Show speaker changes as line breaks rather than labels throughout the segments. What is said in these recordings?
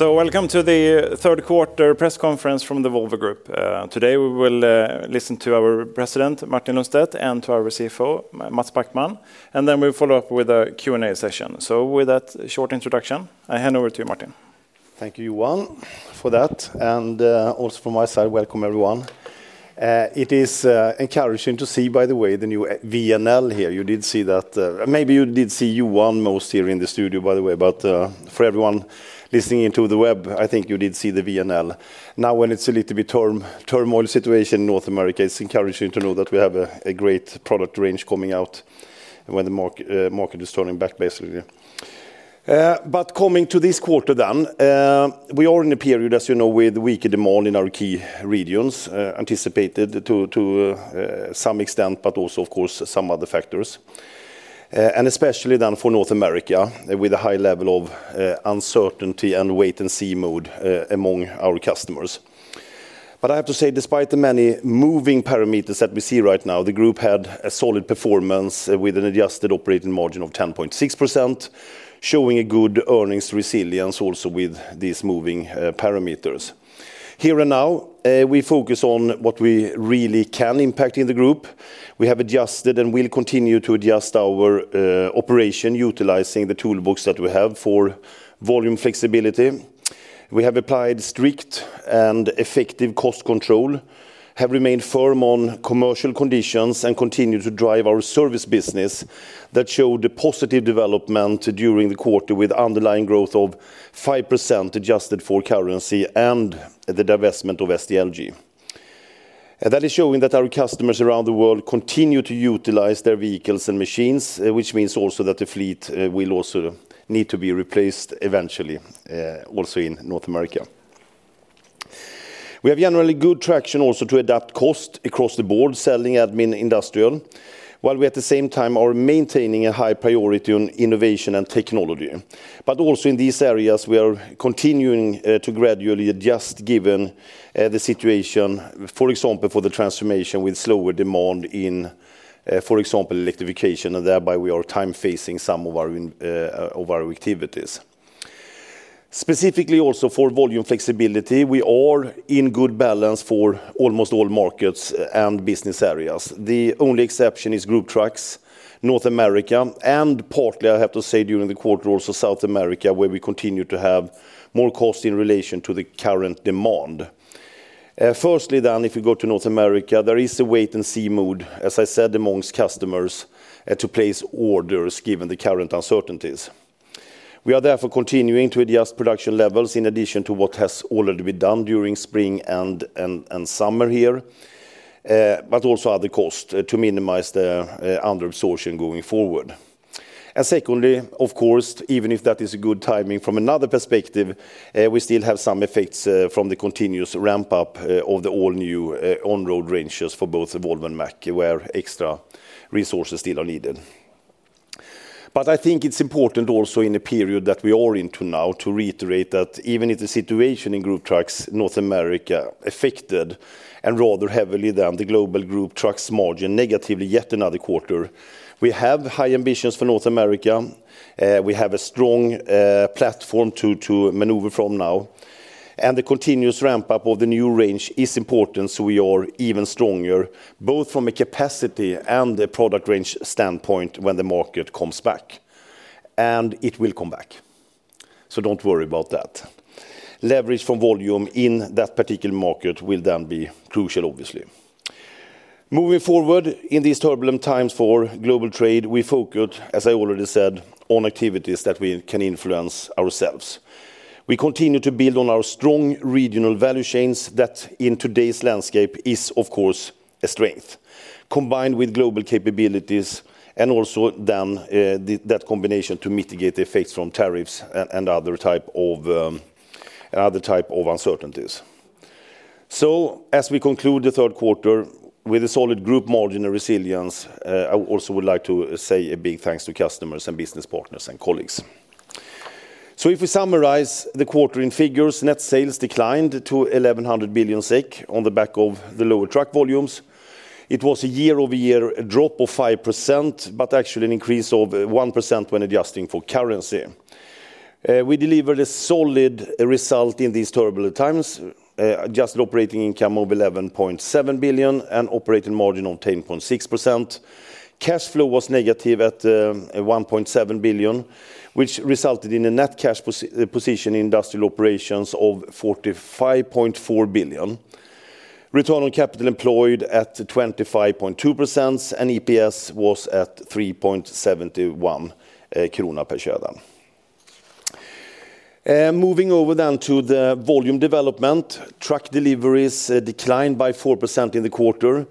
Welcome to the third quarter press conference from the Volvo Group. Today we will listen to our President, Martin Lundstedt, and to our CFO, Mats Backman. We'll follow up with a Q&A session. With that short introduction, I hand over to you, Martin.
Thank you, Johan, for that. Also from my side, welcome everyone. It is encouraging to see, by the way, the new VNL here. You did see that. Maybe you did see Johan most here in the studio, by the way. For everyone listening to the web, I think you did see the VNL. Now, when it's a little bit turmoil situation in North America, it is encouraging to know that we have a great product range coming out when the market is turning back, basically. Coming to this quarter then, we are in a period, as you know, with weaker demand in our key regions, anticipated to some extent, but also, of course, some other factors. Especially then for North America, with a high level of uncertainty and wait-and-see mode among our customers. I have to say, despite the many moving parameters that we see right now, the group had a solid performance with an adjusted operating margin of 10.6%, showing a good earnings resilience also with these moving parameters. Here and now, we focus on what we really can impact in the group. We have adjusted and will continue to adjust our operation utilizing the toolbox that we have for volume flexibility. We have applied strict and effective cost control, have remained firm on commercial conditions, and continue to drive our service business that showed positive development during the quarter with underlying growth of 5% adjusted for currency and the divestment of SDLG. That is showing that our customers around the world continue to utilize their vehicles and machines, which means also that the fleet will also need to be replaced eventually, also in North America. We have generally good traction also to adapt cost across the board, selling, admin, industrial, while we at the same time are maintaining a high priority on innovation and technology. Also in these areas, we are continuing to gradually adjust given the situation, for example, for the transformation with slower demand in, for example, electrification. Thereby, we are time-facing some of our activities. Specifically also for volume flexibility, we are in good balance for almost all markets and business areas. The only exception is group trucks, North America, and partly, I have to say, during the quarter, also South America, where we continue to have more cost in relation to the current demand. Firstly, if we go to North America, there is a wait-and-see mode, as I said, amongst customers to place orders given the current uncertainties. We are therefore continuing to adjust production levels in addition to what has already been done during spring and summer here, but also other costs to minimize the under-resourcing going forward. Secondly, of course, even if that is a good timing from another perspective, we still have some effects from the continuous ramp-up of the all-new on-road ranges for both Volvo and Mack, where extra resources still are needed. I think it's important also in a period that we are into now to reiterate that even if the situation in Group Trucks North America affected rather heavily than the global Group Trucks margin negatively yet another quarter, we have high ambitions for North America. We have a strong platform to maneuver from now, and the continuous ramp-up of the new range is important. We are even stronger, both from a capacity and a product range standpoint when the market comes back. It will come back. Don't worry about that. Leverage from volume in that particular market will then be crucial, obviously. Moving forward in these turbulent times for global trade, we focus, as I already said, on activities that we can influence ourselves. We continue to build on our strong regional value chains that in today's landscape is, of course, a strength, combined with global capabilities and also then that combination to mitigate the effects from tariffs and other types of uncertainties. As we conclude the third quarter with a solid group margin and resilience, I also would like to say a big thanks to customers and business partners and colleagues. If we summarize the quarter in figures, net sales declined to 1,100 billion SEK on the back of the lower truck volumes. It was a year-over-year drop of 5%, but actually an increase of 1% when adjusting for currency. We delivered a solid result in these turbulent times, adjusted operating income of 11.7 billion and operating margin of 10.6%. Cash flow was negative at 1.7 billion, which resulted in a net cash position in industrial operations of 45.4 billion. Return on capital employed at 25.2%, and EPS was at 3.71 krona per share. Moving over then to the volume development, truck deliveries declined by 4% in the quarter,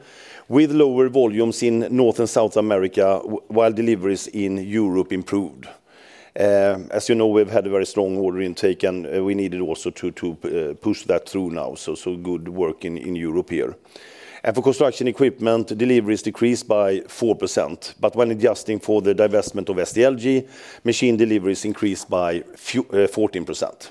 with lower volumes in North and South America, while deliveries in Europe improved. As you know, we've had a very strong order intake, and we needed also to push that through now. Good work in Europe here. For construction equipment, deliveries decreased by 4%. When adjusting for the divestment of SDLG, machine deliveries increased by 14%.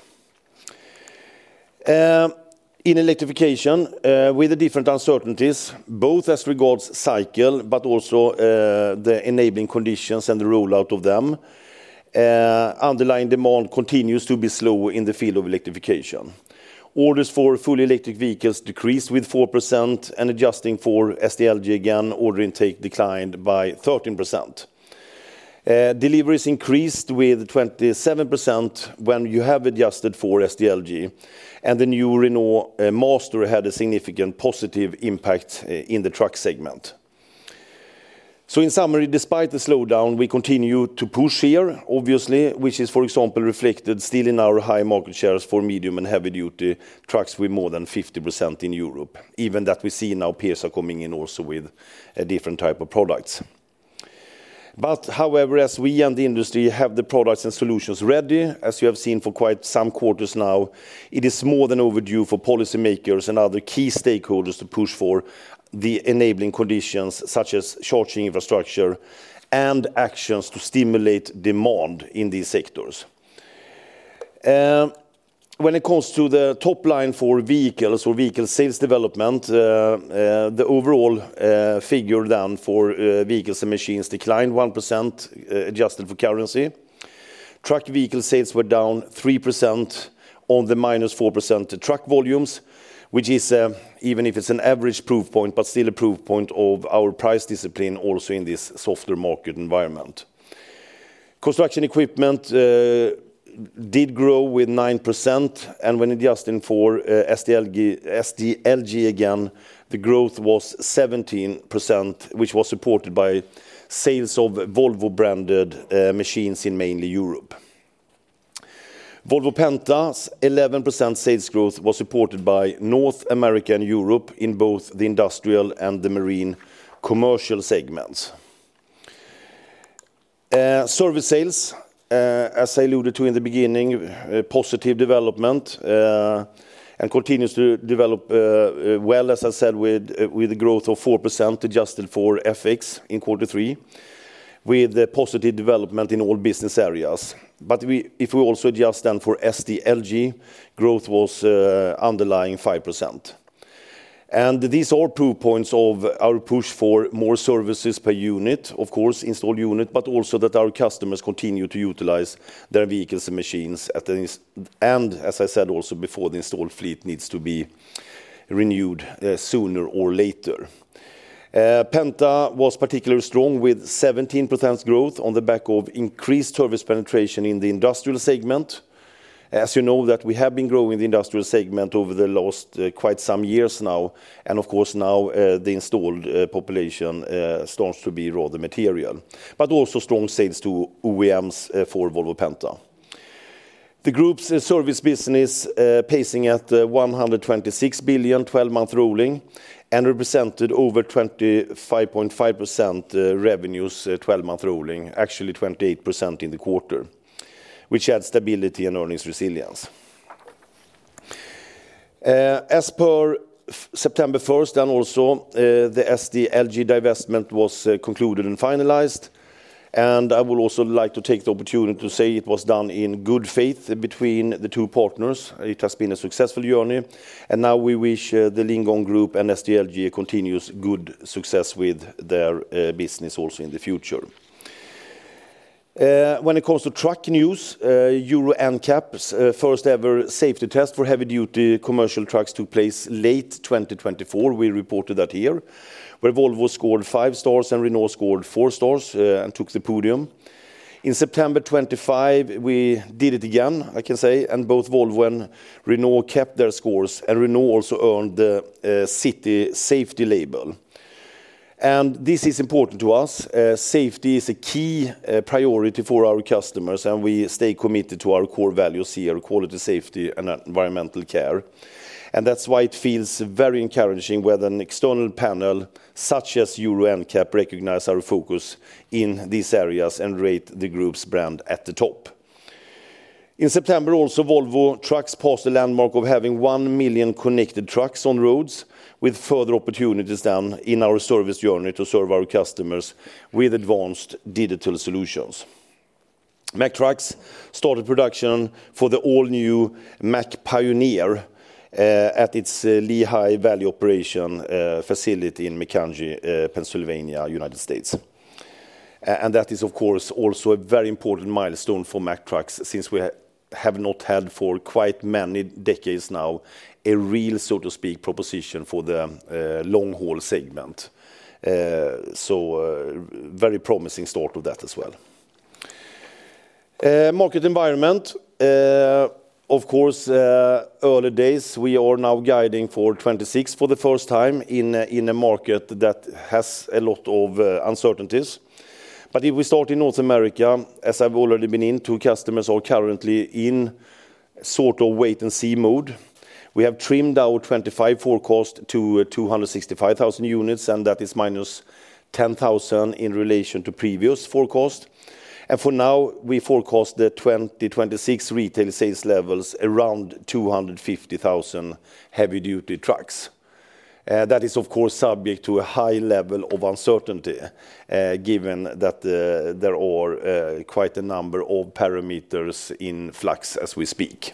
In electrification, with the different uncertainties, both as regards cycle, but also the enabling conditions and the rollout of them, underlying demand continues to be slow in the field of electrification. Orders for fully electric vehicles decreased by 4%, and adjusting for SDLG again, order intake declined by 13%. Deliveries increased by 27% when you have adjusted for SDLG. The new Renault Master had a significant positive impact in the truck segment. In summary, despite the slowdown, we continue to push here, obviously, which is, for example, reflected still in our high market shares for medium and heavy-duty trucks with more than 50% in Europe, even as we see now peers are coming in also with different types of products. However, as we and the industry have the products and solutions ready, as you have seen for quite some quarters now, it is more than overdue for policymakers and other key stakeholders to push for the enabling conditions, such as charging infrastructure and actions to stimulate demand in these sectors. When it comes to the top line for vehicles or vehicle sales development, the overall figure then for vehicles and machines declined 1% adjusted for currency. Truck vehicle sales were down 3% on the minus 4% truck volumes, which is, even if it's an average proof point, still a proof point of our price discipline also in this softer market environment. Construction equipment did grow by 9%. When adjusting for SDLG again, the growth was 17%, which was supported by sales of Volvo-branded machines in mainly Europe. Volvo Penta's 11% sales growth was supported by North America and Europe in both the industrial and the marine commercial segments. Service sales, as I alluded to in the beginning, positive development and continues to develop well, as I said, with a growth of 4% adjusted for FX in quarter three, with positive development in all business areas. If we also adjust then for SDLG, growth was underlying 5%. These are proof points of our push for more services per unit, of course, installed unit, but also that our customers continue to utilize their vehicles and machines. As I said also before, the installed fleet needs to be renewed sooner or later. Penta was particularly strong with 17% growth on the back of increased service penetration in the industrial segment. As you know, we have been growing the industrial segment over the last quite some years now. Of course, now the installed population starts to be rather material, but also strong sales to OEMs for Volvo Penta. The group's service business pacing at 126 billion, 12-month rolling, and represented over 25.5% revenues 12-month rolling, actually 28% in the quarter, which adds stability and earnings resilience. As per September 1, then also the SDLG divestment was concluded and finalized. I would also like to take the opportunity to say it was done in good faith between the two partners. It has been a successful journey. We wish the Lingong Group and SDLG continuous good success with their business also in the future. When it comes to truck news, Euro NCAP's first-ever safety test for heavy-duty commercial trucks took place late 2024. We reported that here, where Volvo scored five stars and Renault scored four stars and took the podium. In September 25, we did it again, I can say. Both Volvo and Renault kept their scores, and Renault also earned the city safety label. This is important to us. Safety is a key priority for our customers. We stay committed to our core values here, quality, safety, and environmental care. That is why it feels very encouraging when an external panel such as Euro NCAP recognizes our focus in these areas and rates the group's brand at the top. In September also, Volvo Trucks passed the landmark of having 1 million connected trucks on roads, with further opportunities then in our service journey to serve our customers with advanced digital solutions. Mack Trucks started production for the all-new Mack Pioneer at its Lehigh Valley Operation Facility in Pennsylvania, United States. That is, of course, also a very important milestone for Mack Trucks since we have not had for quite many decades now a real, so to speak, proposition for the long-haul segment. A very promising start of that as well. Market environment, of course, early days. We are now guiding for 2026 for the first time in a market that has a lot of uncertainties. If we start in North America, as I've already been in, two customers are currently in a sort of wait-and-see mode. We have trimmed our 2025 forecast to 265,000 units. That is minus 10,000 in relation to previous forecast. For now, we forecast the 2026 retail sales levels around 250,000 heavy-duty trucks. That is, of course, subject to a high level of uncertainty, given that there are quite a number of parameters in flux as we speak.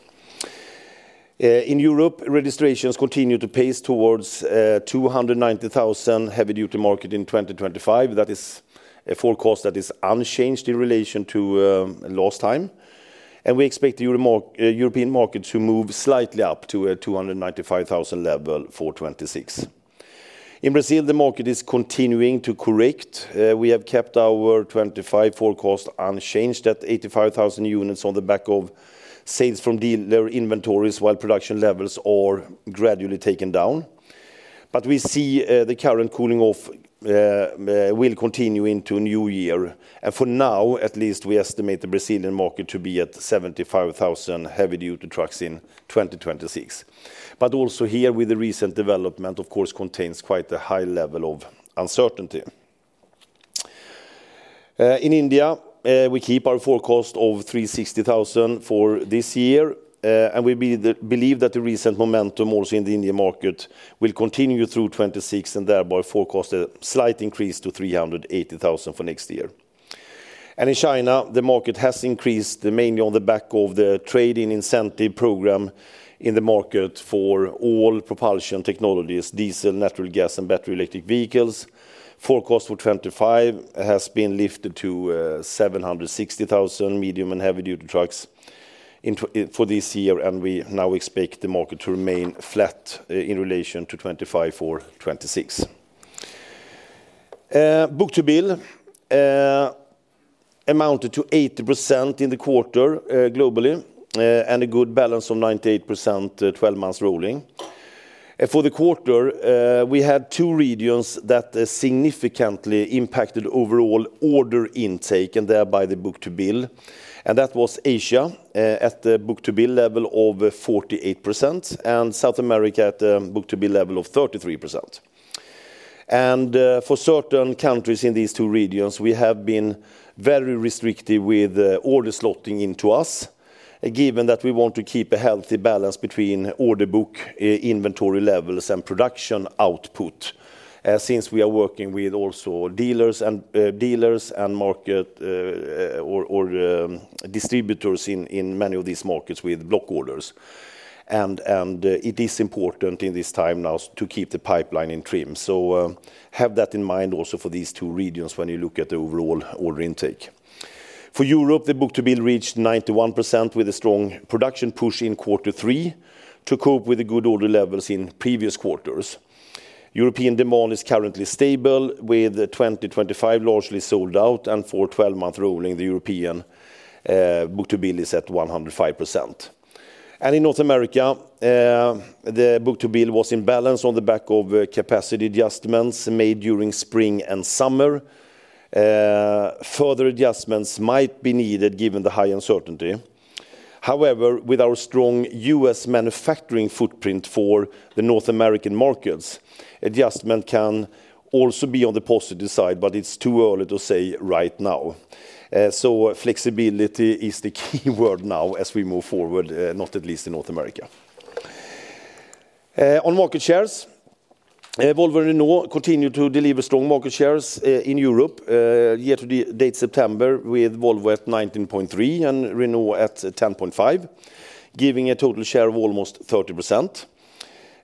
In Europe, registrations continue to pace towards a 290,000 heavy-duty market in 2025. That is a forecast that is unchanged in relation to last time. We expect the European market to move slightly up to a 295,000 level for 2026. In Brazil, the market is continuing to correct. We have kept our 2025 forecast unchanged at 85,000 units on the back of sales from dealer inventories, while production levels are gradually taken down. We see the current cooling off will continue into the new year. For now, at least, we estimate the Brazilian market to be at 75,000 heavy-duty trucks in 2026. Also here, with the recent development, of course, contains quite a high level of uncertainty. In India, we keep our forecast of 360,000 for this year. We believe that the recent momentum also in the Indian market will continue through 2026 and thereby forecast a slight increase to 380,000 for next year. In China, the market has increased mainly on the back of the trade-in incentive program in the market for all propulsion technologies, diesel, natural gas, and battery electric vehicles. Forecast for 2025 has been lifted to 760,000 medium and heavy-duty trucks for this year. We now expect the market to remain flat in relation to 2025 for 2026. Book-to-bill amounted to 80% in the quarter globally and a good balance of 98% 12 months rolling. For the quarter, we had two regions that significantly impacted overall order intake and thereby the book-to-bill. That was Asia at the book-to-bill level of 48% and South America at the book-to-bill level of 33%. For certain countries in these two regions, we have been very restrictive with order slotting into us, given that we want to keep a healthy balance between order book inventory levels and production output since we are working with also dealers and market or distributors in many of these markets with block orders. It is important in this time now to keep the pipeline in trim. Have that in mind also for these two regions when you look at the overall order intake. For Europe, the book-to-bill reached 91% with a strong production push in quarter three to cope with the good order levels in previous quarters. European demand is currently stable with 2025 largely sold out. For 12-month rolling, the European book-to-bill is at 105%. In North America, the book-to-bill was in balance on the back of capacity adjustments made during spring and summer. Further adjustments might be needed given the high uncertainty. However, with our strong U.S. manufacturing footprint for the North American markets, adjustment can also be on the positive side. It's too early to say right now. Flexibility is the key word now as we move forward, not at least in North America. On market shares, Volvo and Renault continue to deliver strong market shares in Europe year-to-date September, with Volvo at 19.3% and Renault at 10.5%, giving a total share of almost 30%.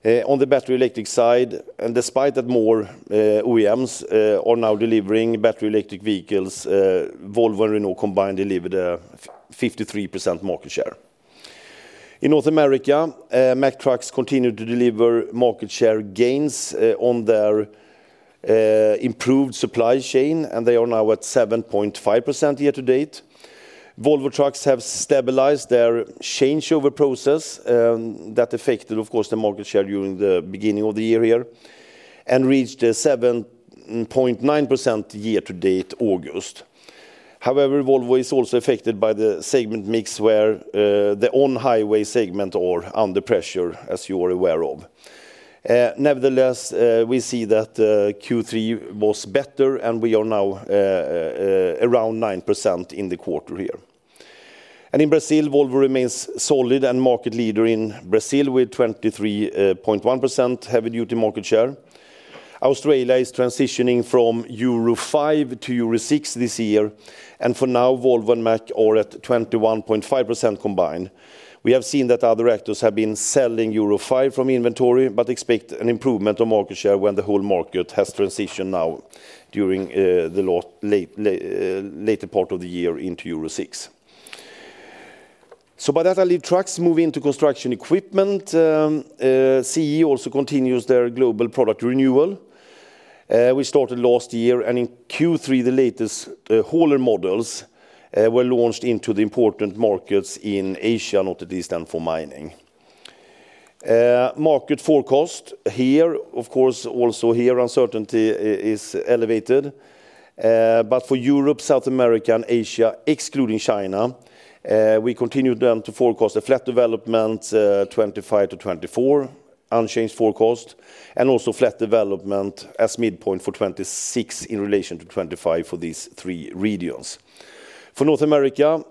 On the battery electric side, and despite that more OEMs are now delivering battery electric vehicles, Volvo and Renault combined delivered a 53% market share. In North America, Mack Trucks continued to deliver market share gains on their improved supply chain, and they are now at 7.5% year-to-date. Volvo Trucks have stabilized their changeover process that affected, of course, the market share during the beginning of the year here and reached 7.9% year-to-date August. However, Volvo is also affected by the segment mix where the on-highway segment is under pressure, as you are aware of. Nevertheless, we see that Q3 was better, and we are now around 9% in the quarter here. In Brazil, Volvo remains solid and market leader in Brazil with 23.1% heavy-duty market share. Australia is transitioning from Euro 5 to Euro 6 this year, and for now, Volvo and Mack are at 21.5% combined. We have seen that other actors have been selling Euro 5 from inventory, but expect an improvement of market share when the whole market has transitioned now during the later part of the year into Euro 6. By that, I'll leave trucks, moving to construction equipment. CE also continues their global product renewal we started last year. In Q3, the latest hauler models were launched into the important markets in Asia, not at least then for mining. Market forecast here, of course, also here, uncertainty is elevated. For Europe, South America, and Asia excluding China, we continue then to forecast a flat development 2025 to 2024, unchanged forecast, and also flat development as midpoint for 2026 in relation to 2025 for these three regions. For North America,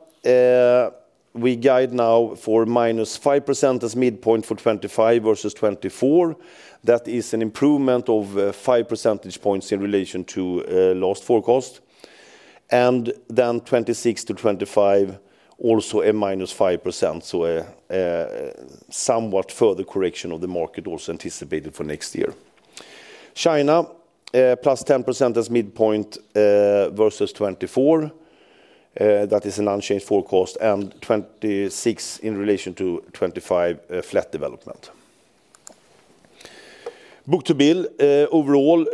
we guide now for minus 5% as midpoint for 2025 versus 2024. That is an improvement of 5 percentage points in relation to last forecast. For 2026 to 2025, also a minus 5%. A somewhat further correction of the market is also anticipated for next year. China plus 10% as midpoint versus 2024. That is an unchanged forecast. And 2026 in relation to 2025, flat development. Book-to-bill overall,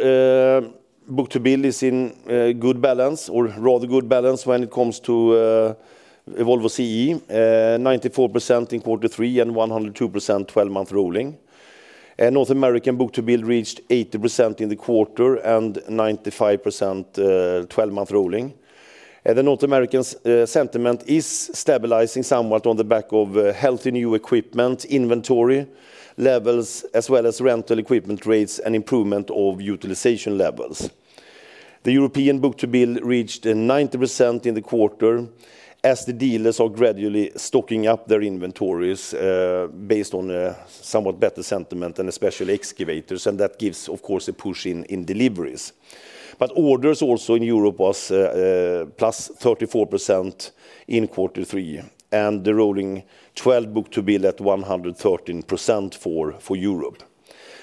book-to-bill is in good balance or rather good balance when it comes to Volvo CE, 94% in quarter three and 102% 12-month rolling. North American book-to-bill reached 80% in the quarter and 95% 12-month rolling. The North American sentiment is stabilizing somewhat on the back of healthy new equipment inventory levels, as well as rental equipment rates and improvement of utilization levels. The European book-to-bill reached 90% in the quarter as the dealers are gradually stocking up their inventories based on a somewhat better sentiment and especially excavators. That gives, of course, a push in deliveries. Orders also in Europe are plus 34% in quarter three, and the rolling 12 book-to-bill at 113% for Europe.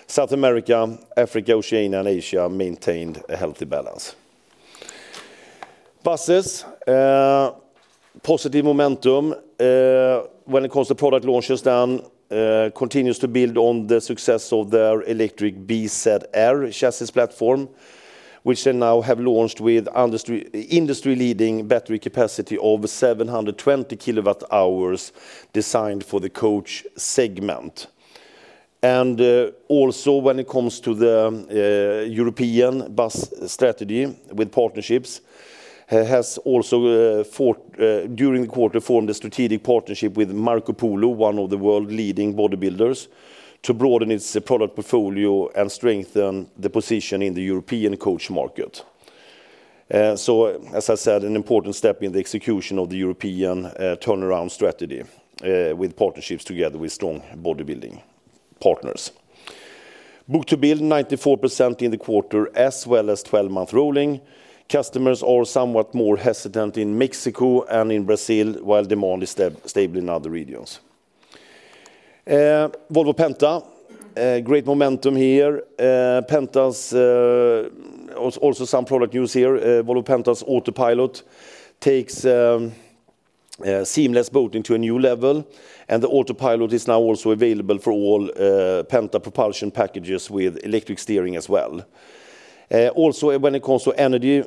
South America, Africa, Oceania, and Asia maintained a healthy balance. Buses, positive momentum when it comes to product launches, continues to build on the success of their electric BZR chassis platform, which they now have launched with industry-leading battery capacity of 720 kilowatt hours designed for the coach segment. Also, when it comes to the European bus strategy with partnerships, has also during the quarter formed a strategic partnership with Marco Polo, one of the world-leading bodybuilders, to broaden its product portfolio and strengthen the position in the European coach market. As I said, an important step in the execution of the European turnaround strategy with partnerships together with strong bodybuilding partners. Book-to-bill 94% in the quarter as well as 12-month rolling. Customers are somewhat more hesitant in Mexico and in Brazil, while demand is stable in other regions. Volvo Penta, great momentum here. Penta's also some product news here. Volvo Penta's autopilot takes seamless boating to a new level, and the autopilot is now also available for all Penta propulsion packages with electric steering as well. Also, when it comes to energy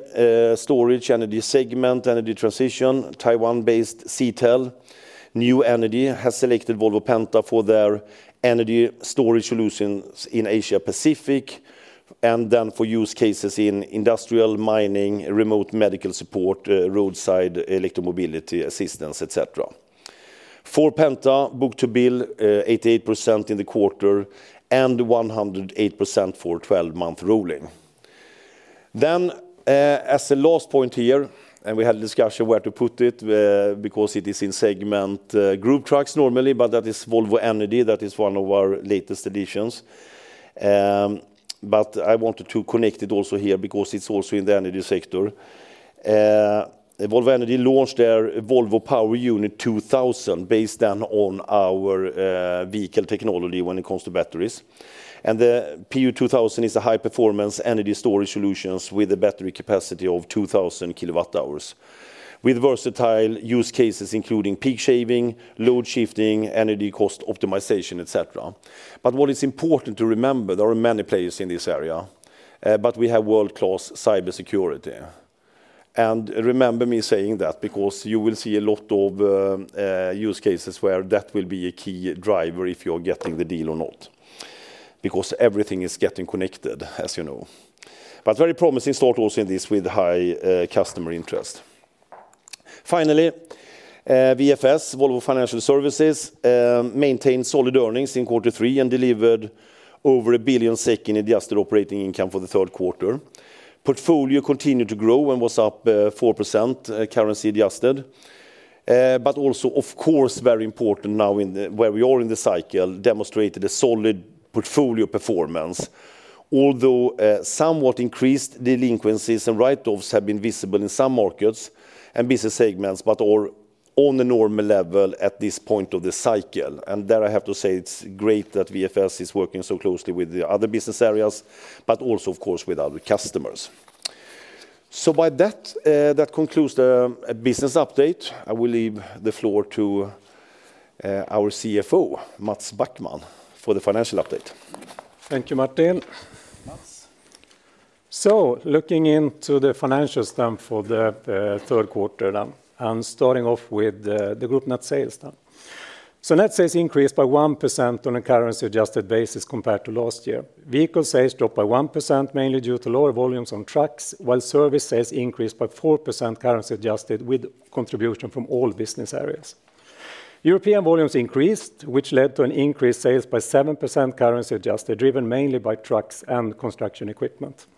storage, energy segment, energy transition, Taiwan-based SeaTel New Energy has selected Volvo Penta for their energy storage solutions in Asia Pacific and then for use cases in industrial mining, remote medical support, roadside electromobility assistance, et cetera. For Penta, book-to-bill 88% in the quarter and 108% for 12-month rolling. As a last point here, we had a discussion where to put it because it is in segment Group Trucks normally, but that is Volvo Energy. That is one of our latest editions. I wanted to connect it also here because it's also in the energy sector. Volvo Energy launched their Volvo Power Unit 2000 based on our vehicle technology when it comes to batteries. The PU2000 is a high-performance energy storage solution with a battery capacity of 2,000 kilowatt hours with versatile use cases including peak shaving, load shifting, energy cost optimization, etc. What is important to remember is there are many players in this area. We have world-class cybersecurity. Remember me saying that because you will see a lot of use cases where that will be a key driver if you are getting the deal or not because everything is getting connected, as you know. Very promising start also in this with high customer interest. Finally, VFS, Volvo Financial Services, maintained solid earnings in quarter three and delivered over 1 billion in adjusted operating income for the third quarter. Portfolio continued to grow and was up 4% currency adjusted. Also, of course, very important now where we are in the cycle, demonstrated a solid portfolio performance, although somewhat increased delinquencies and write-offs have been visible in some markets and business segments, but are on a normal level at this point of the cycle. I have to say it's great that VFS is working so closely with the other business areas, but also, of course, with other customers. By that, that concludes the business update. I will leave the floor to our CFO, Mats Backman, for the financial update.
Thank you, Martin. Looking into the financials for the third quarter and starting off with the group net sales, net sales increased by 1% on a currency-adjusted basis compared to last year. Vehicle sales dropped by 1%, mainly due to lower volumes on trucks, while service sales increased by 4% currency-adjusted with contribution from all business areas. European volumes increased, which led to increased sales by 7% currency-adjusted, driven mainly by trucks and construction equipment.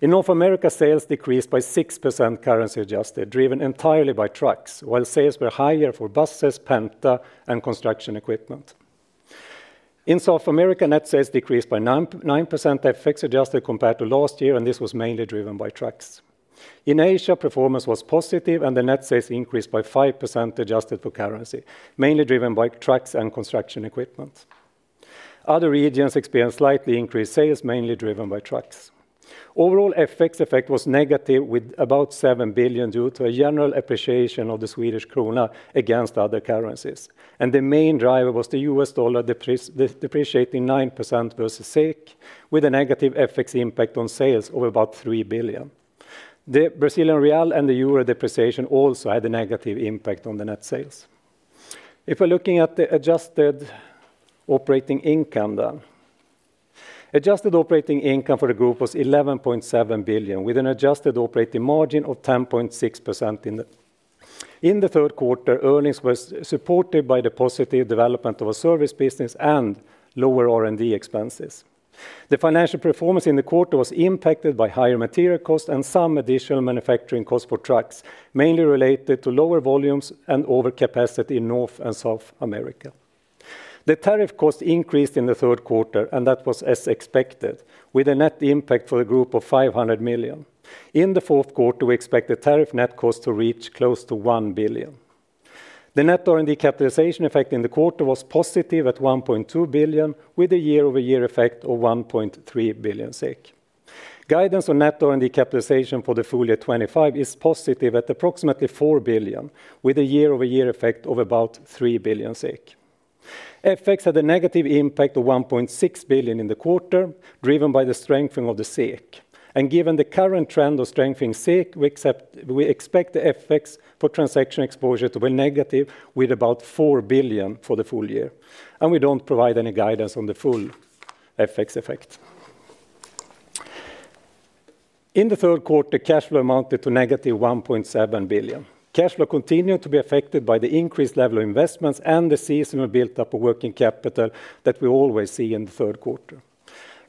In North America, sales decreased by 6% currency-adjusted, driven entirely by trucks, while sales were higher for buses, Penta, and construction equipment. In South America, net sales decreased by 9% FX adjusted compared to last year. This was mainly driven by trucks. In Asia, performance was positive and net sales increased by 5% adjusted for currency, mainly driven by trucks and construction equipment. Other regions experienced slightly increased sales, mainly driven by trucks. The overall FX effect was negative with about 7 billion due to a general appreciation of the Swedish krona against other currencies. The main driver was the U.S. dollar depreciating 9% versus SEK, with a negative FX impact on sales of about 3 billion. The Brazilian real and the euro depreciation also had a negative impact on the net sales. If we're looking at the adjusted operating income, adjusted operating income for the group was 11.7 billion, with an adjusted operating margin of 10.6%. In the third quarter, earnings were supported by the positive development of a service business and lower R&D expenses. The financial performance in the quarter was impacted by higher material costs and some additional manufacturing costs for trucks, mainly related to lower volumes and overcapacity in North and South America. The tariff cost increased in the third quarter and that was as expected, with a net impact for the group of 500 million. In the fourth quarter, we expect the tariff net cost to reach close to 1 billion. The net R&D capitalization effect in the quarter was positive at 1.2 billion, with a year-over-year effect of 1.3 billion SEK. Guidance on net R&D capitalization for the full year 2025 is positive at approximately 4 billion, with a year-over-year effect of about 3 billion SEK. FX had a negative impact of 1.6 billion in the quarter, driven by the strengthening of the SEK. Given the current trend of strengthening SEK, we expect the FX for transaction exposure to be negative with about 4 billion for the full year. We do not provide any guidance on the full FX effect. In the third quarter, cash flow amounted to negative 1.7 billion. Cash flow continued to be affected by the increased level of investments and the seasonal buildup of working capital that we always see in the third quarter.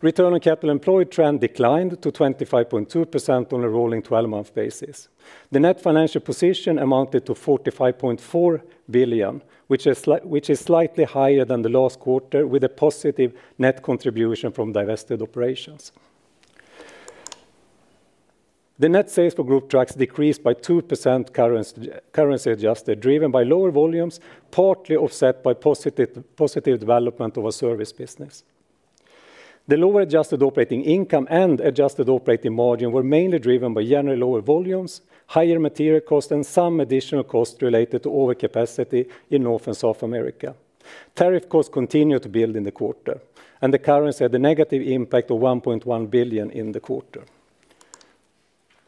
Return on capital employed trend declined to 25.2% on a rolling 12-month basis. The net financial position amounted to 45.4 billion, which is slightly higher than the last quarter, with a positive net contribution from divested operations. Net sales for Group Trucks decreased by 2% currency adjusted, driven by lower volumes, partly offset by positive development of the service business. The lower adjusted operating income and adjusted operating margin were mainly driven by generally lower volumes, higher material costs, and some additional costs related to overcapacity in North America and South America. Tariff costs continued to build in the quarter. The currency had a negative impact of 1.1 billion in the quarter.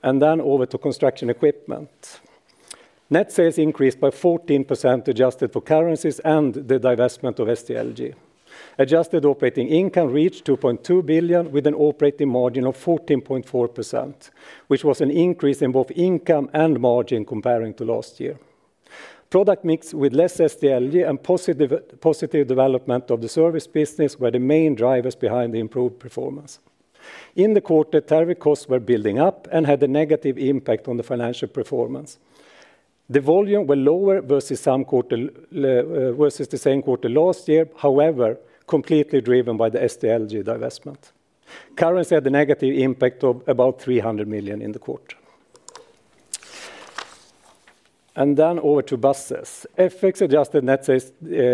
Over to construction equipment. Net sales increased by 14% adjusted for currencies and the divestment of SDLG. Adjusted operating income reached 2.2 billion, with an operating margin of 14.4%, which was an increase in both income and margin compared to last year. Product mix with less SDLG and positive development of the service business were the main drivers behind the improved performance. In the quarter, tariff costs were building up and had a negative impact on the financial performance. The volume was lower versus the same quarter last year, however, completely driven by the SDLG divestment. Currency had a negative impact of about 300 million in the quarter. Over to buses. FX adjusted net sales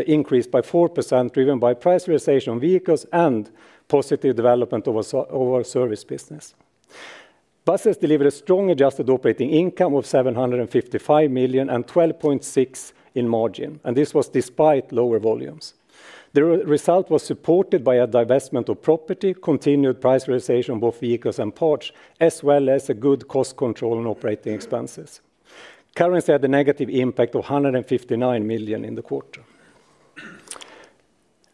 increased by 4%, driven by price realization on vehicles and positive development of our service business. Buses delivered a strong adjusted operating income of 755 million and 12.6% in margin. This was despite lower volumes. The result was supported by a divestment of property, continued price realization of both vehicles and parts, as well as good cost control on operating expenses. Currency had a negative impact of 159 million in the quarter.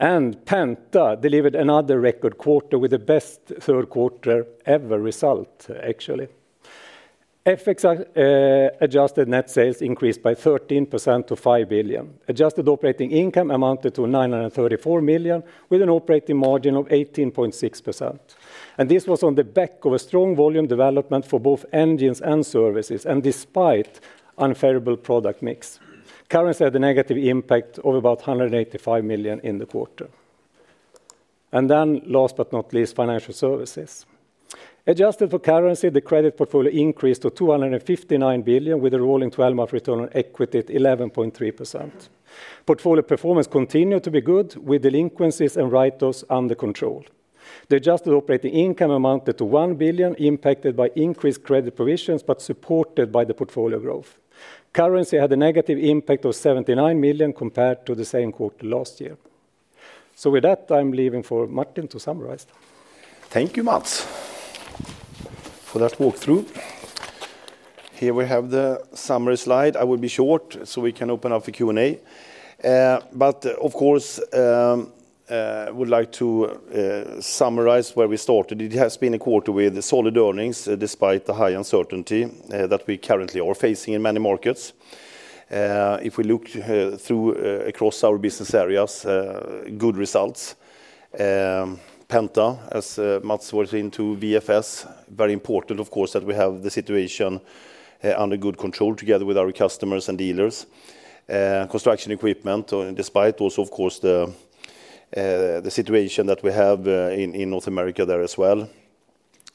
Penta delivered another record quarter with the best third quarter ever result, actually. FX adjusted net sales increased by 13% to 5 billion. Adjusted operating income amounted to 934 million, with an operating margin of 18.6%. This was on the back of a strong volume development for both engines and services, despite unfavorable product mix. Currency had a negative impact of about 185 million in the quarter. Last but not least, financial services. Adjusted for currency, the credit portfolio increased to 259 billion, with a rolling 12-month return on equity at 11.3%. Portfolio performance continued to be good, with delinquencies and write-offs under control. The adjusted operating income amounted to 1 billion, impacted by increased credit provisions but supported by the portfolio growth. Currency had a negative impact of 79 million compared to the same quarter last year. With that, I'm leaving for Martin to summarize them.
Thank you, Mats, for that walkthrough. Here we have the summary slide. I will be short so we can open up for Q&A. Of course, I would like to summarize where we started. It has been a quarter with solid earnings despite the high uncertainty that we currently are facing in many markets. If we look through across our business areas, good results. Penta, as Mats was into, VFS, very important, of course, that we have the situation under good control together with our customers and dealers, construction equipment, despite also, of course, the situation that we have in North America there as well,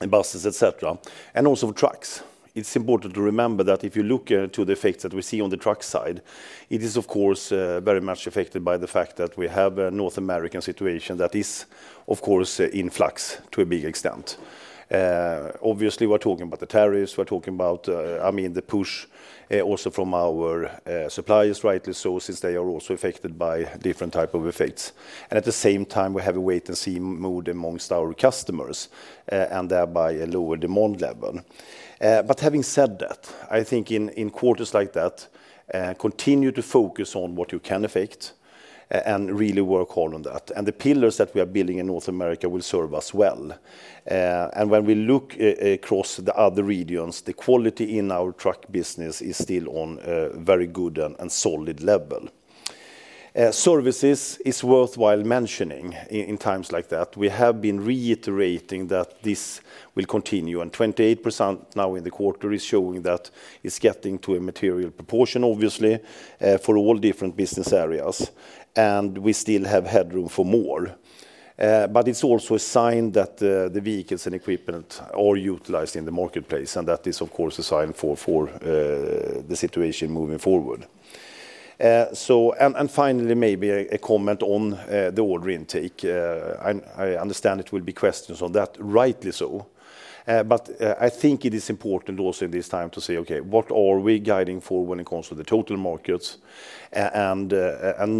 buses, etc., and also trucks. It's important to remember that if you look to the effects that we see on the truck side, it is, of course, very much affected by the fact that we have a North American situation that is, of course, in flux to a big extent. Obviously, we're talking about the tariffs. We're talking about, I mean, the push also from our suppliers, rightly so, since they are also affected by different types of effects. At the same time, we have a wait-and-see mode amongst our customers and thereby a lower demand level. Having said that, I think in quarters like that, continue to focus on what you can affect and really work hard on that. The pillars that we are building in North America will serve us well. When we look across the other regions, the quality in our truck business is still on a very good and solid level. Services is worthwhile mentioning in times like that. We have been reiterating that this will continue. 28% now in the quarter is showing that it's getting to a material proportion, obviously for all different business areas. We still have headroom for more. It's also a sign that the vehicles and equipment are utilized in the marketplace. That is, of course, a sign for the situation moving forward. Finally, maybe a comment on the order intake. I understand it will be questions on that, rightly so. I think it is important also in this time to say, OK, what are we guiding for when it comes to the total markets and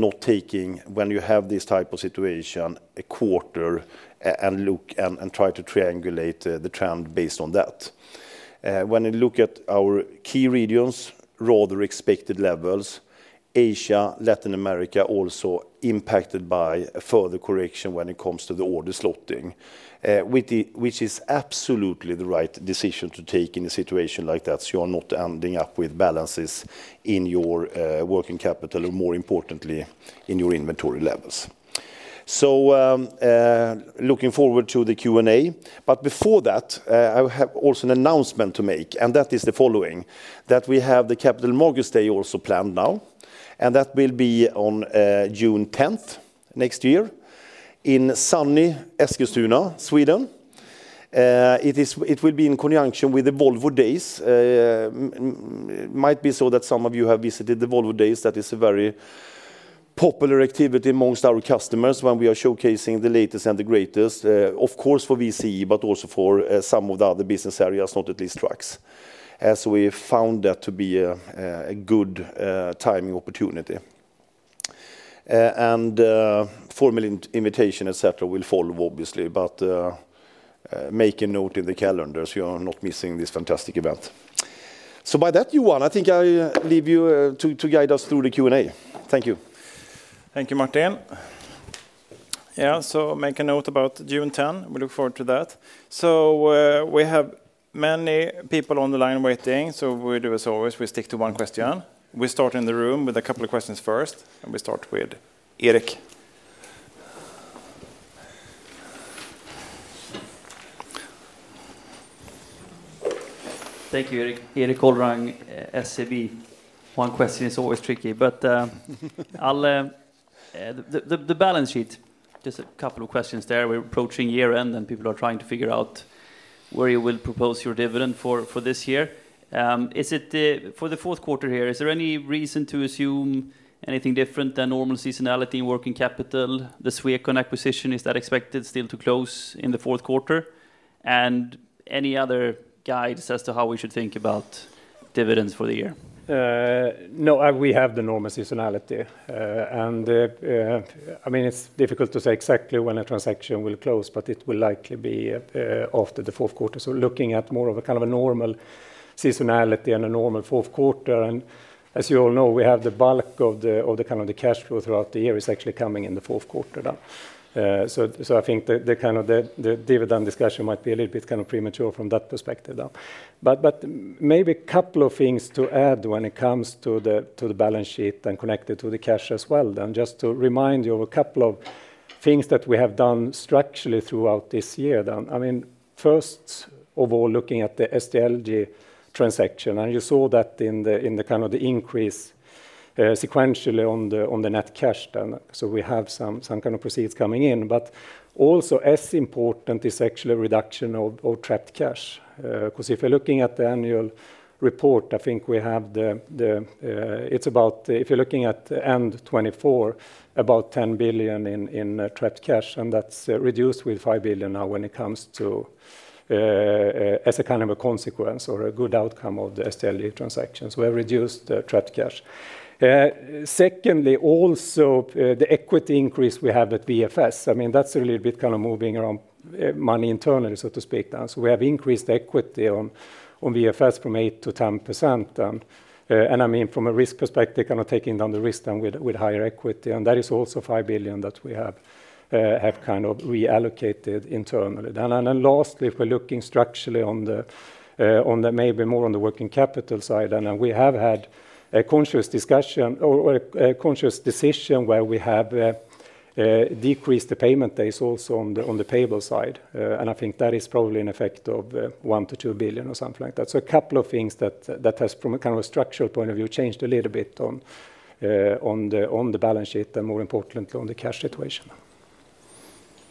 not taking, when you have this type of situation, a quarter and look and try to triangulate the trend based on that. When you look at our key regions, rather expected levels, Asia, Latin America also impacted by a further correction when it comes to the order slotting, which is absolutely the right decision to take in a situation like that. You are not ending up with balances in your working capital or, more importantly, in your inventory levels. Looking forward to the Q&A. Before that, I have also an announcement to make. That is the following, that we have the Capital Markets Day also planned now. That will be on June 10 next year in sunny Eskilstuna, Sweden. It will be in conjunction with the Volvo Days. It might be so that some of you have visited the Volvo Days. That is a very popular activity amongst our customers when we are showcasing the latest and the greatest, of course, for VCE, but also for some of the other business areas, not at least trucks, as we found that to be a good timing opportunity. A formal invitation, et cetera, will follow, obviously. Make a note in the calendar so you are not missing this fantastic event. By that, Johan, I think I leave you to guide us through the Q&A. Thank you.
Thank you, Martin. Yeah, so make a note about June 10. We look forward to that. We have many people on the line waiting. We do as always, we stick to one question. We start in the room with a couple of questions first. We start with Erik.
Thank you, Erik. Erik Golrang, SEB. One question is always tricky. The balance sheet, just a couple of questions there. We're approaching year end and people are trying to figure out where you will propose your dividend for this year. For the fourth quarter here, is there any reason to assume anything different than normal seasonality in working capital? The Swecon acquisition, is that expected still to close in the fourth quarter? Any other guides as to how we should think about dividends for the year?
No, we have the normal seasonality. I mean, it's difficult to say exactly when a transaction will close. It will likely be after the fourth quarter. Looking at more of a kind of a normal seasonality and a normal fourth quarter, as you all know, we have the bulk of the kind of the cash flow throughout the year actually coming in the fourth quarter then. I think the kind of the dividend discussion might be a little bit kind of premature from that perspective then. Maybe a couple of things to add when it comes to the balance sheet and connected to the cash as well then, just to remind you of a couple of things that we have done structurally throughout this year then. First of all, looking at the SDLG transaction, you saw that in the kind of the increase sequentially on the net cash then. We have some kind of proceeds coming in. Also, as important is actually a reduction of trapped cash. If you're looking at the annual report, I think we have the, it's about, if you're looking at end 2024, about 10 billion in trapped cash. That's reduced with 5 billion now when it comes to as a kind of a consequence or a good outcome of the SDLG transaction. We have reduced the trapped cash. Secondly, also the equity increase we have at VFS. That's a little bit kind of moving around money internally, so to speak then. We have increased the equity on VFS from 8% to 10% then. From a risk perspective, kind of taking down the risk then with higher equity. That is also 5 billion that we have kind of reallocated internally then. Lastly, if we're looking structurally on the maybe more on the working capital side, we have had a conscious discussion or a conscious decision where we have decreased the payment days also on the payable side. I think that is probably an effect of 1 to 2 billion or something like that. A couple of things that has from a kind of a structural point of view changed a little bit on the balance sheet and more importantly on the cash situation.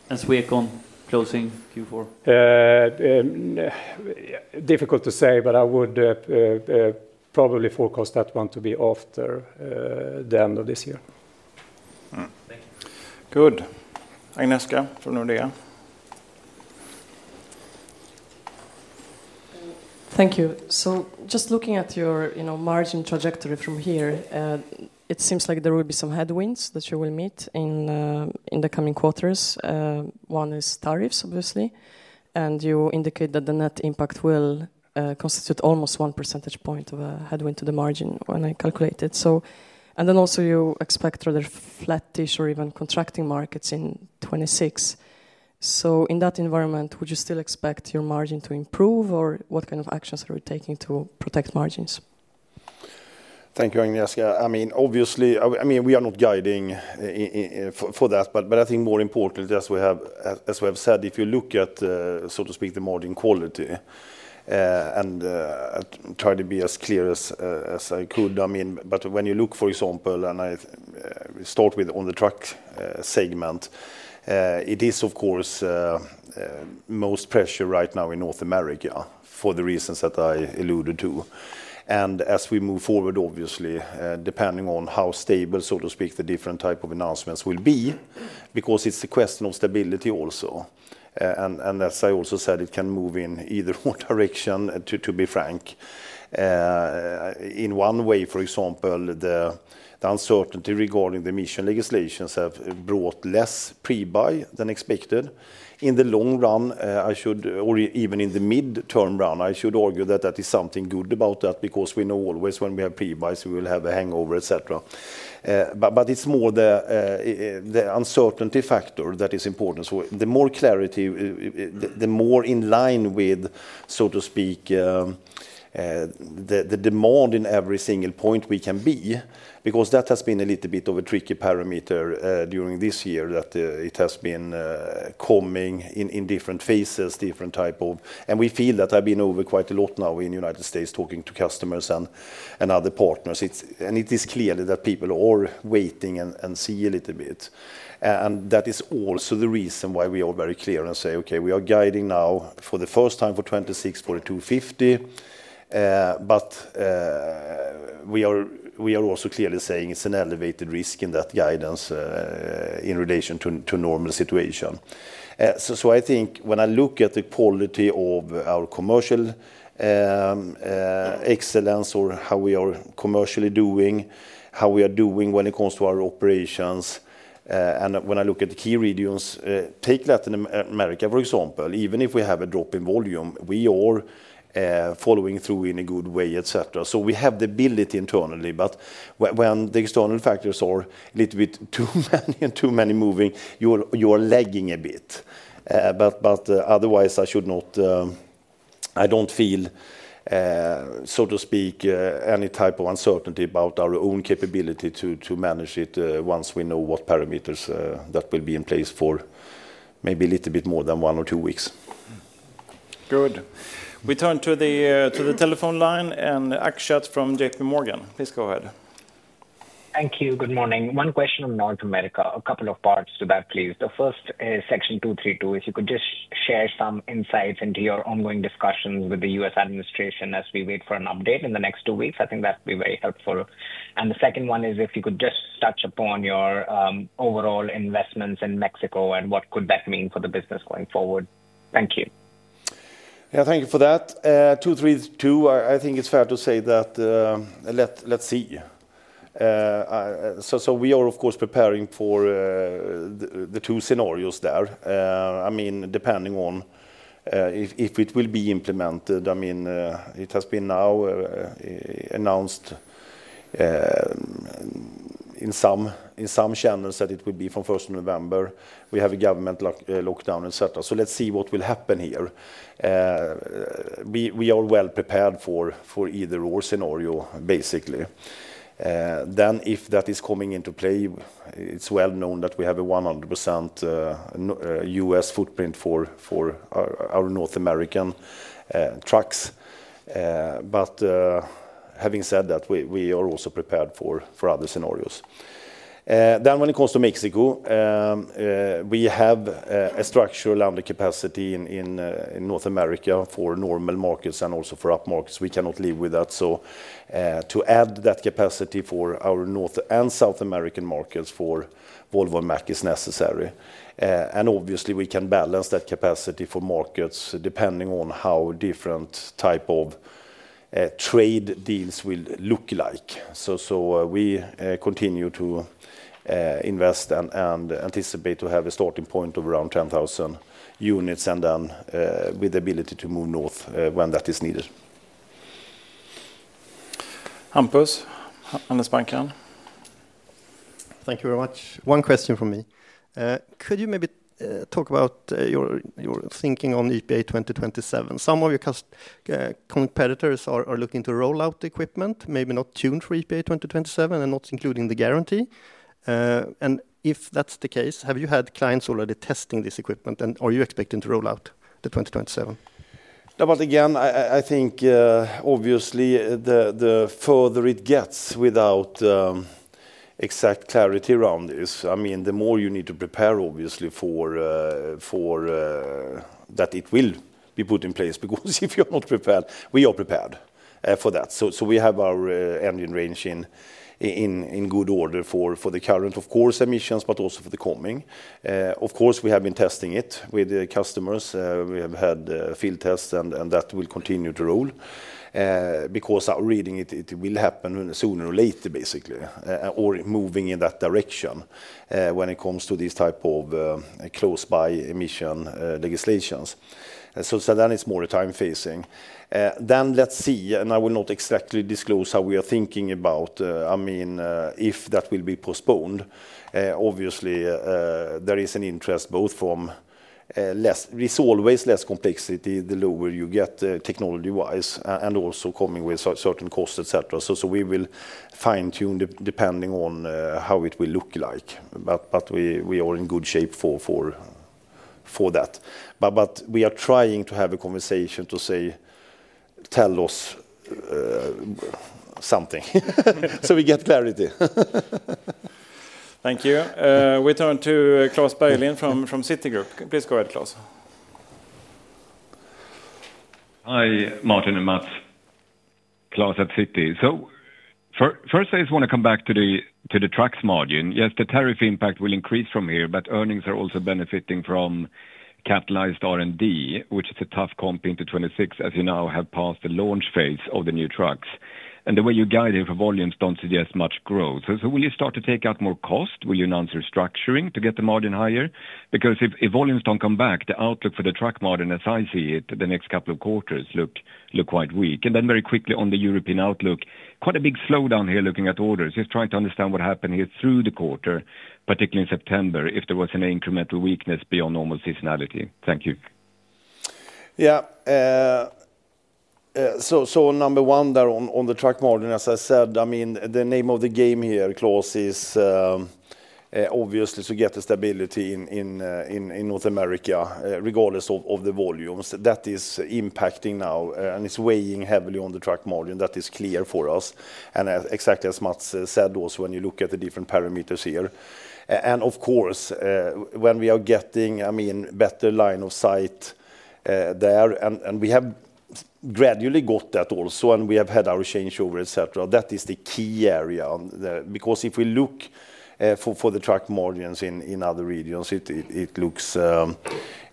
Is Swecon closing Q4?
Difficult to say. I would probably forecast that one to be after the end of this year.
Thank you.
Good. Agnieszka from Nordea.
Thank you. Just looking at your margin trajectory from here, it seems like there will be some headwinds that you will meet in the coming quarters. One is tariffs, obviously. You indicate that the net impact will constitute almost 1% of a headwind to the margin when I calculate it. You also expect rather flattish or even contracting markets in 2026. In that environment, would you still expect your margin to improve? What kind of actions are you taking to protect margins?
Thank you, Agnieszka. Obviously, we are not guiding for that. I think more importantly, as we have said, if you look at, so to speak, the margin quality and try to be as clear as I could, when you look, for example, and I start with on the truck segment, it is, of course, most pressure right now in North America for the reasons that I alluded to. As we move forward, obviously, depending on how stable, so to speak, the different type of announcements will be, because it's a question of stability also. As I also said, it can move in either direction, to be frank. In one way, for example, the uncertainty regarding the emission legislations have brought less pre-buy than expected. In the long run, or even in the mid-term run, I should argue that that is something good about that because we know always when we have pre-buys, we will have a hangover, et cetera. It's more the uncertainty factor that is important. The more clarity, the more in line with, so to speak, the demand in every single point we can be, because that has been a little bit of a tricky parameter during this year that it has been coming in different phases, different types of, and we feel that I've been over quite a lot now in the United States talking to customers and other partners. It is clear that people are waiting and see a little bit. That is also the reason why we are very clear and say, OK, we are guiding now for the first time for 26, 42.50. We are also clearly saying it's an elevated risk in that guidance in relation to normal situation. I think when I look at the quality of our commercial excellence or how we are commercially doing, how we are doing when it comes to our operations, and when I look at the key regions, take Latin America, for example. Even if we have a drop in volume, we are following through in a good way, et cetera. We have the ability internally. When the external factors are a little bit too many and too many moving, you are lagging a bit. Otherwise, I don't feel, so to speak, any type of uncertainty about our own capability to manage it once we know what parameters that will be in place for maybe a little bit more than one or two weeks.
Good. We turn to the telephone line and Akshat from JPMorgan. Please go ahead.
Thank you. Good morning. One question from North America, a couple of parts to that, please. The first is Section 232. If you could just share some insights into your ongoing discussions with the U.S. administration as we wait for an update in the next two weeks, I think that would be very helpful. The second one is if you could just touch upon your overall investments in Mexico and what could that mean for the business going forward. Thank you.
Thank you for that. Section 232, I think it's fair to say that we are, of course, preparing for the two scenarios there. I mean, depending on if it will be implemented, it has been now announced in some channels that it will be from November 1. We have a government lockdown, et cetera. Let's see what will happen here. We are well prepared for either/or scenario, basically. If that is coming into play, it's well known that we have a 100% U.S. footprint for our North American trucks. Having said that, we are also prepared for other scenarios. When it comes to Mexico, we have a structural landing capacity in North America for normal markets and also for up markets. We cannot live with that. To add that capacity for our North and South American markets for Volvo and Mack is necessary. Obviously, we can balance that capacity for markets depending on how different types of trade deals will look like. We continue to invest and anticipate to have a starting point of around 10,000 units and then with the ability to move north when that is needed.
Hampus, Handelsbanken.
Thank you very much. One question from me. Could you maybe talk about your thinking on EPA 2027? Some of your competitors are looking to roll out the equipment, maybe not tuned for EPA 2027 and not including the guarantee. If that's the case, have you had clients already testing this equipment? Are you expecting to roll out the 2027?
I think obviously the further it gets without exact clarity around this, the more you need to prepare, obviously, for that it will be put in place. If you are not prepared, we are prepared for that. We have our engine range in good order for the current emissions, but also for the coming. We have been testing it with customers. We have had field tests, and that will continue to roll because reading it will happen sooner or later, basically, or moving in that direction when it comes to these types of close-by emission legislations. It is more time-facing. Let's see, and I will not exactly disclose how we are thinking about if that will be postponed. Obviously, there is an interest both from less, there is always less complexity the lower you get technology-wise and also coming with certain costs, et cetera. We will fine-tune depending on how it will look like. We are in good shape for that. We are trying to have a conversation to say, tell us something so we get clarity.
Thank you. We turn to Klas Bergelind from Citi. Please go ahead, Klaus.
Hi, Martin and Mats. Klas at Citi. First, I just want to come back to the trucks margin. Yes, the tariff impact will increase from here. Earnings are also benefiting from capitalized R&D, which is a tough comp into 2026, as you now have passed the launch phase of the new trucks. The way you guide it for volumes does not suggest much growth. Will you start to take out more cost? Will you announce your structuring to get the margin higher? If volumes do not come back, the outlook for the truck margin, as I see it, the next couple of quarters looks quite weak. Very quickly on the European outlook, quite a big slowdown here looking at orders. Just trying to understand what happened here through the quarter, particularly in September, if there was an incremental weakness beyond normal seasonality. Thank you.
Yeah. Number one there on the truck margin, as I said, the name of the game here, Klas, is obviously to get the stability in North America regardless of the volumes that is impacting now. It's weighing heavily on the truck margin. That is clear for us. Exactly as Mats said also when you look at the different parameters here. Of course, when we are getting better line of sight there, and we have gradually got that also, and we have had our changeover, et cetera, that is the key area. If we look for the truck margins in other regions, it looks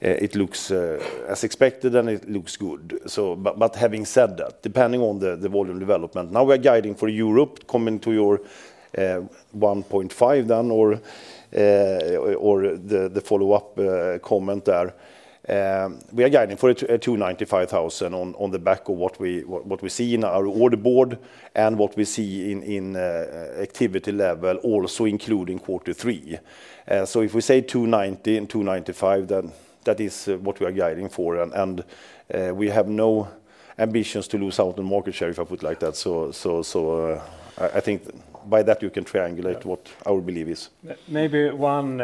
as expected. It looks good. Having said that, depending on the volume development, now we are guiding for Europe, coming to your 1.5 then or the follow-up comment there. We are guiding for 295,000 on the back of what we see in our order board and what we see in activity level, also including quarter three. If we say 290 and 295, that is what we are guiding for. We have no ambitions to lose out on market share, if I put it like that. I think by that, you can triangulate what our belief is.
Maybe one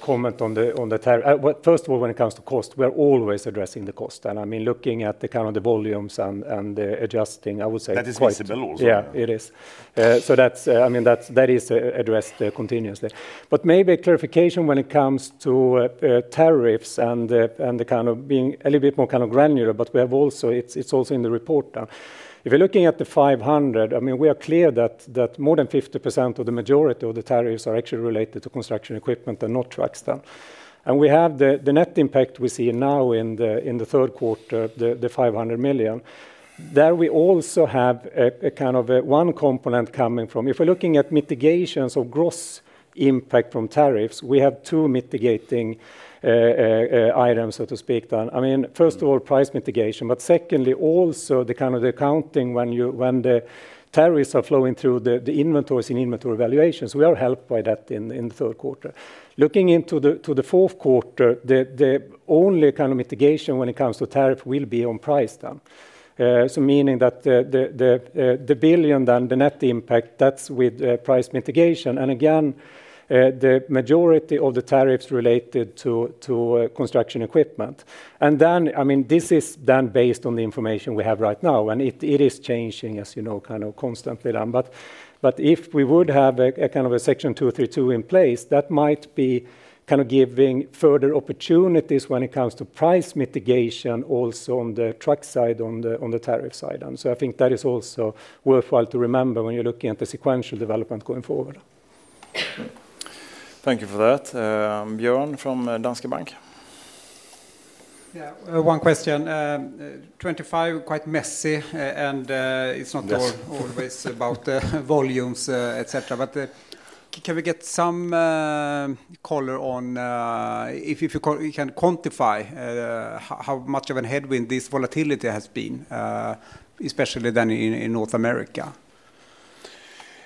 comment on the tariff. First of all, when it comes to cost, we are always addressing the cost. I mean, looking at the kind of the volumes and the adjusting, I would say.
That is visible also.
Yeah, it is. That is addressed continuously. Maybe a clarification when it comes to tariffs and being a little bit more granular. It is also in the report. If you're looking at the 500, we are clear that more than 50% of the majority of the tariffs are actually related to construction equipment and not trucks. We have the net impact we see now in the third quarter, the 500 million. There we also have one component coming from, if we're looking at mitigations of gross impact from tariffs, we have two mitigating items. First of all, price mitigation. Secondly, also the accounting when the tariffs are flowing through the inventories in inventory valuations. We are helped by that in the third quarter. Looking into the fourth quarter, the only mitigation when it comes to tariff will be on price. Meaning that the billion, the net impact, that's with price mitigation. Again, the majority of the tariffs are related to construction equipment. This is based on the information we have right now. It is changing, as you know, constantly. If we would have a Section 232 in place, that might be giving further opportunities when it comes to price mitigation also on the truck side, on the tariff side. I think that is also worthwhile to remember when you're looking at the sequential development going forward.
Thank you for that. Björn from Danske Bank.
Yeah, one question. 2025 is quite messy. It's not always about volumes, et cetera. Can we get some color on if you can quantify how much of a headwind this volatility has been, especially in North America?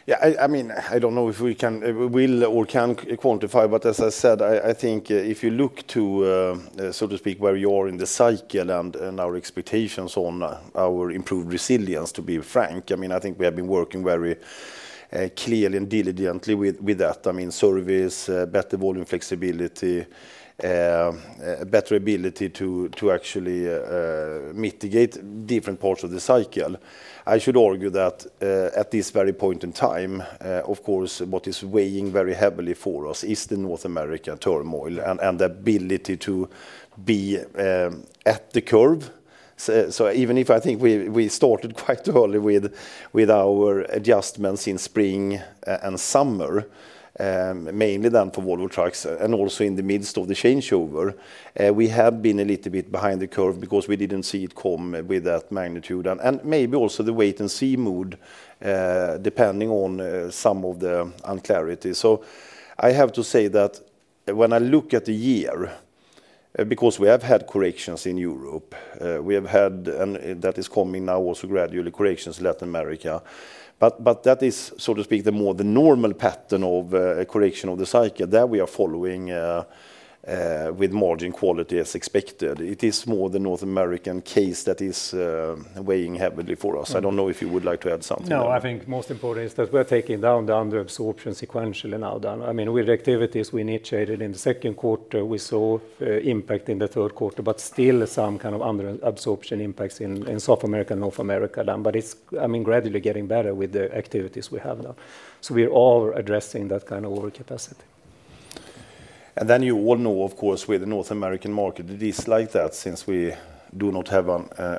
Yeah, I mean, I don't know if we can or can quantify. As I said, I think if you look to, so to speak, where we are in the cycle and our expectations on our improved resilience, to be frank, I mean, I think we have been working very clearly and diligently with that. I mean, service, better volume flexibility, better ability to actually mitigate different parts of the cycle. I should argue that at this very point in time, of course, what is weighing very heavily for us is the North American turmoil and the ability to be at the curve. Even if I think we started quite early with our adjustments in spring and summer, mainly then for Volvo Trucks and also in the midst of the changeover, we have been a little bit behind the curve because we didn't see it come with that magnitude. Maybe also the wait-and-see mode, depending on some of the unclarity. I have to say that when I look at the year, because we have had corrections in Europe, we have had, and that is coming now also gradually, corrections in Latin America. That is, so to speak, more the normal pattern of correction of the cycle. There we are following with margin quality as expected. It is more the North American case that is weighing heavily for us. I don't know if you would like to add something.
No, I think most important is that we're taking down the underabsorption sequentially now. I mean, with the activities we initiated in the second quarter, we saw impact in the third quarter. There are still some kind of underabsorption impacts in South America and North America. It's gradually getting better with the activities we have now. We are all addressing that kind of overcapacity.
You all know, of course, with the North American market, it is like that since we do not have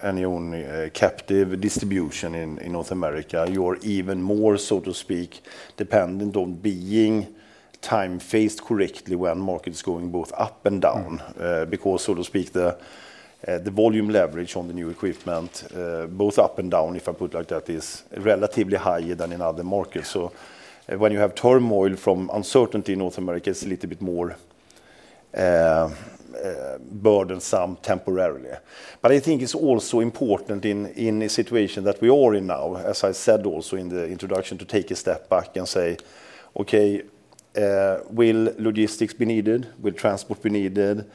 any own captive distribution in North America. You are even more, so to speak, dependent on being time-faced correctly when markets are going both up and down. Because, so to speak, the volume leverage on the new equipment, both up and down, if I put it like that, is relatively higher than in other markets. When you have turmoil from uncertainty in North America, it's a little bit more burdensome temporarily. I think it's also important in a situation that we are in now, as I said also in the introduction, to take a step back and say, OK, will logistics be needed? Will transport be needed?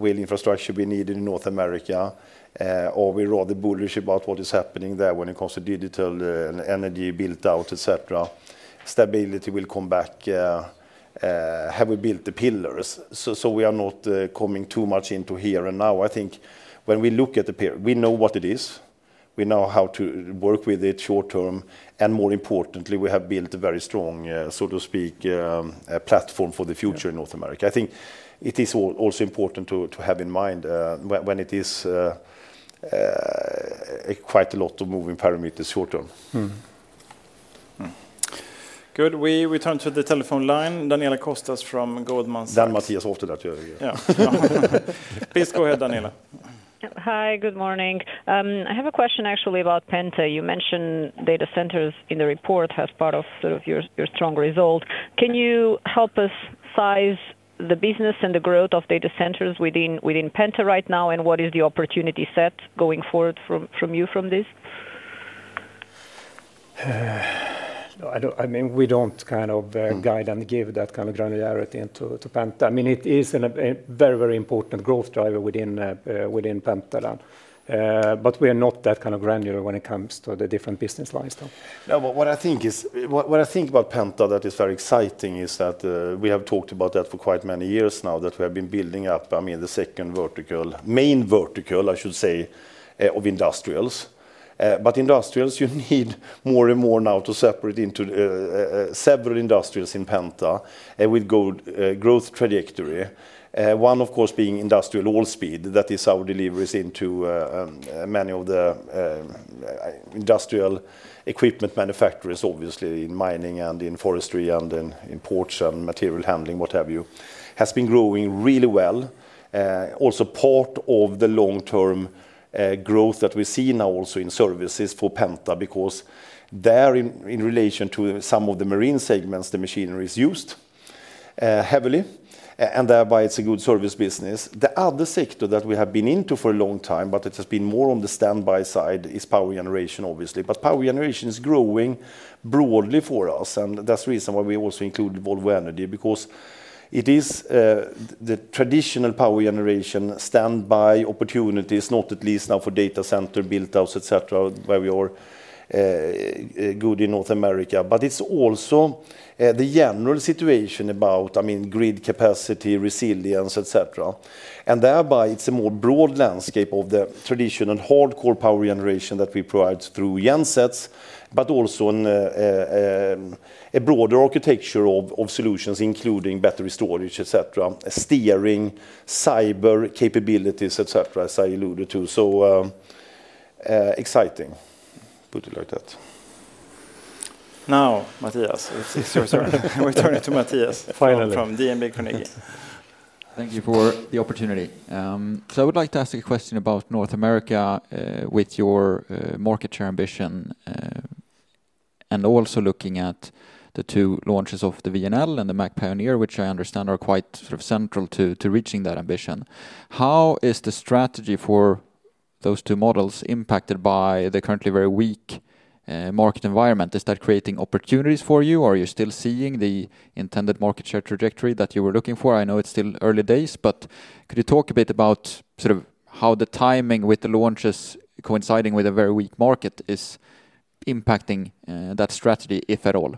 Will infrastructure be needed in North America? Are we rather bullish about what is happening there when it comes to digital energy build-out, et cetera? Stability will come back. Have we built the pillars? We are not coming too much into here and now. I think when we look at the pillar, we know what it is. We know how to work with it short term. More importantly, we have built a very strong, so to speak, platform for the future in North America. I think it is also important to have in mind when it is quite a lot of moving parameters short term.
Good. We return to the telephone line. Daniela Costa from Goldman Sachs.
Mattias after that, yeah.
Please go ahead, Daniela.
Hi, good morning. I have a question actually about Volvo Penta. You mentioned data center applications in the report as part of your strong result. Can you help us size the business and the growth of data center applications within Volvo Penta right now? What is the opportunity set going forward from you from this?
I mean, we don't guide and give that kind of granularity to Penta. It is a very, very important growth driver within Penta. We are not that granular when it comes to the different business lines though.
No, but what I think is what I think about Penta that is very exciting is that we have talked about that for quite many years now, that we have been building up, I mean, the second vertical, main vertical, I should say, of industrials. Industrials, you need more and more now to separate into several industrials in Penta with growth trajectory. One, of course, being industrial all speed. That is our deliveries into many of the industrial equipment manufacturers, obviously, in mining and in forestry and in ports and material handling, what have you, has been growing really well. Also, part of the long-term growth that we see now also in services for Penta because there, in relation to some of the marine segments, the machinery is used heavily. Thereby, it's a good service business. The other sector that we have been into for a long time, but it has been more on the standby side, is power generation, obviously. Power generation is growing broadly for us. That's the reason why we also included Volvo Energy because it is the traditional power generation standby opportunities, not at least now for data center build-outs, et cetera, where we are good in North America. It's also the general situation about, I mean, grid capacity, resilience, et cetera. Thereby, it's a more broad landscape of the traditional hardcore power generation that we provide through GenSets, but also a broader architecture of solutions, including battery storage, et cetera, steering, cyber capabilities, et cetera, as I alluded to. Exciting, put it like that.
Now, Mattias, it's your turn. We turn it to Mattias from DNB Carnegie.
Thank you for the opportunity. I would like to ask a question about North America with your market share ambition and also looking at the two launches of the VNL and the Mack Pioneer, which I understand are quite central to reaching that ambition. How is the strategy for those two models impacted by the currently very weak market environment? Is that creating opportunities for you? Are you still seeing the intended market share trajectory that you were looking for? I know it's still early days, but could you talk a bit about how the timing with the launches coinciding with a very weak market is impacting that strategy, if at all?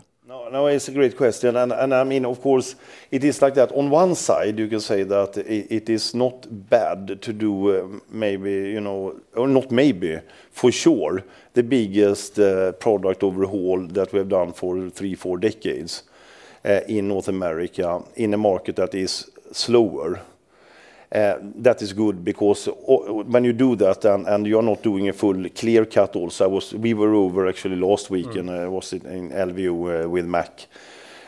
No, it's a great question. I mean, of course, it is like that. On one side, you can say that it is not bad to do maybe, you know, or not maybe, for sure, the biggest product overhaul that we have done for three, four decades in North America in a market that is slower. That is good because when you do that and you are not doing a full clear cut, also, we were over actually last week in LVO with Mack.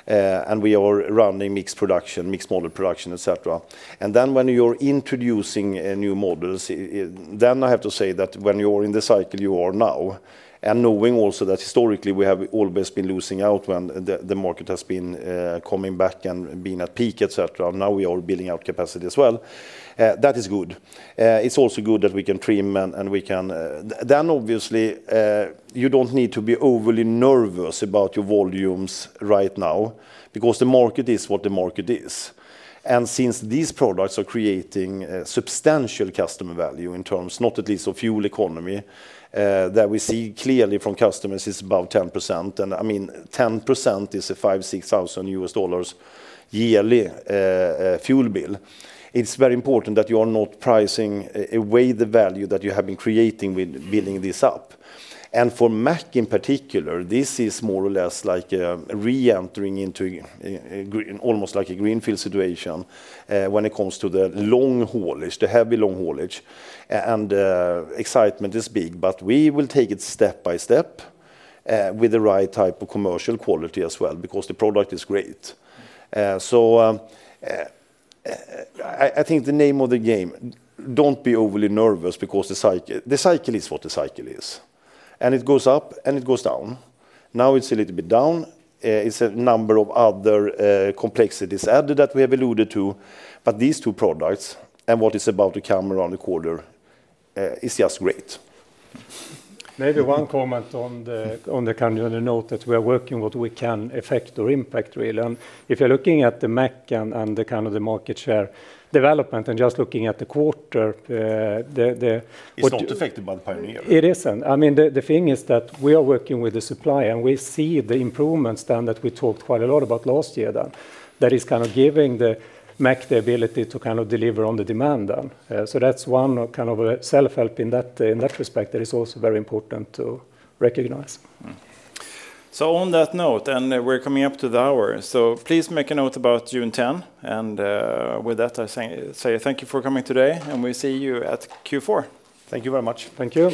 We are running mixed production, mixed model production, et cetera. When you are introducing new models, I have to say that when you are in the cycle you are now and knowing also that historically we have always been losing out when the market has been coming back and being at peak, et cetera, now we are building out capacity as well. That is good. It's also good that we can trim and we can, then obviously, you don't need to be overly nervous about your volumes right now because the market is what the market is. Since these products are creating substantial customer value in terms, not at least of fuel economy, that we see clearly from customers is about 10%. I mean, 10% is a $5,000, $6,000 yearly fuel bill. It's very important that you are not pricing away the value that you have been creating with building this up. For Mack in particular, this is more or less like re-entering into almost like a greenfield situation when it comes to the long haulage, the heavy long haulage. The excitement is big. We will take it step by step with the right type of commercial quality as well because the product is great. I think the name of the game, don't be overly nervous because the cycle is what the cycle is. It goes up and it goes down. Now it's a little bit down. It's a number of other complexities added that we have alluded to. These two products and what is about to come around the corner is just great.
Maybe one comment on the note that we are working what we can affect or impact really. If you're looking at the Mack and the market share development and just looking at the quarter.
It's not affected by the Mack Pioneer.
It isn't. I mean, the thing is that we are working with the supply, and we see the improvements that we talked quite a lot about last year, that is kind of giving the Mack the ability to deliver on the demand. That's one kind of self-help in that respect that is also very important to recognize. On that note, we're coming up to the hour. Please make a note about June 10. With that, I say thank you for coming today, and we see you at Q4.
Thank you very much.
Thank you.